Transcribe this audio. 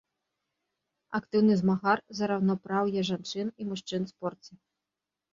Актыўны змагар за раўнапраўе жанчын і мужчын у спорце.